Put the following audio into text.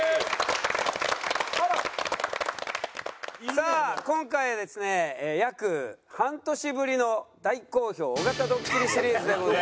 さあ今回はですね約半年ぶりの大好評尾形ドッキリシリーズでございます。